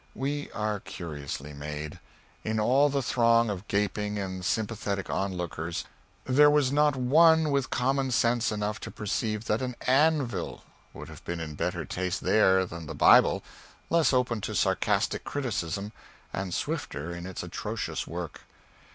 We are curiously made. In all the throng of gaping and sympathetic onlookers there was not one with common sense enough to perceive that an anvil would have been in better taste there than the Bible, less open to sarcastic criticism, and swifter in its atrocious work.